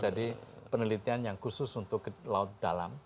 jadi penelitian yang khusus untuk laut dalam